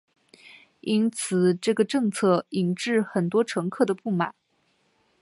因此这个政策引致很多乘客的不满。